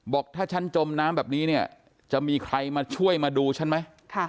บอกถ้าฉันจมน้ำแบบนี้เนี่ยจะมีใครมาช่วยมาดูฉันไหม